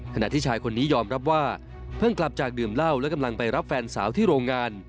ขณะที่ชายคนนี้ยอมรับว่าเพิ่งกลับจากดื่มเหล้าและกำลังไปรับแฟนสาวที่โรงงาน